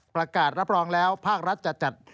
ประกาศรับรองแล้วภาครัฐจะจัด